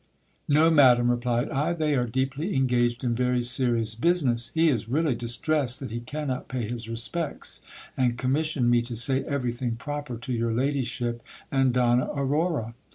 No, madam, replied I, they are deeply engaged in very serious business. He is really distressed that he cannot pay his respects, and commissioned me to say everything proper to your ladyship and Donna Aurora.